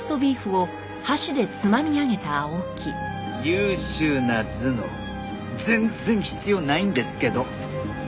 優秀な頭脳全然必要ないんですけど。